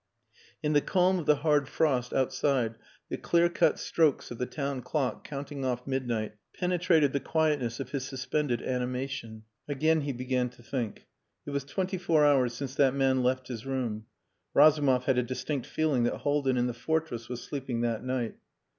In the calm of the hard frost outside, the clear cut strokes of the town clock counting off midnight penetrated the quietness of his suspended animation. Again he began to think. It was twenty four hours since that man left his room. Razumov had a distinct feeling that Haldin in the fortress was sleeping that night.